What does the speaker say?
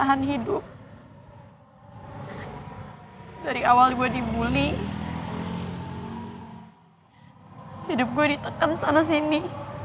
hidup gue diteken sana sini